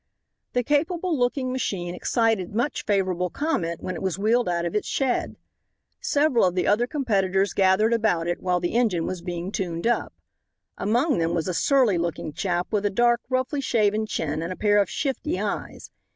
The capable looking machine excited much favorable comment when it was wheeled out of its shed. Several of the other competitors gathered about it while the engine was being tuned up. Among them was a surly looking chap with a dark, roughly shaven chin and a pair of shifty eyes.